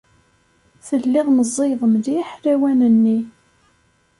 Telliḍ meẓẓiyeḍ mliḥ lawan-nni.